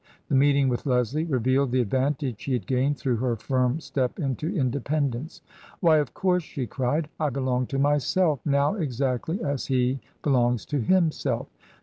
The meeting with Leslie revealed the advantage she had gained through her firm step into independence. "Why, of course!" she cried; "I belong to myself now exactly as he belongs to himself!